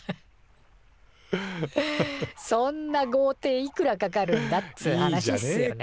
そんなごうていいくらかかるんだっつう話っすよね。